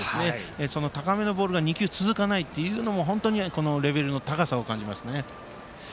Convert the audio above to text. その高めのボールが２球続かないところも本当にレベルの高さを感じますね。